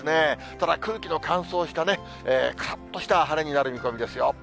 ただ、空気の乾燥したからっとした晴れになる見込みですよ。